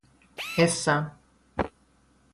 حسم